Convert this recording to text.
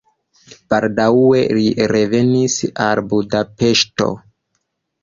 Baldaŭe li revenis al Budapeŝto.